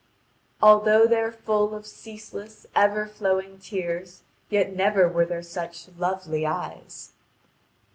Although they are full of ceaseless, ever flowing tears, yet never were there such lovely eves.